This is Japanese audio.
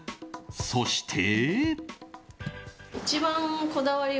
そして。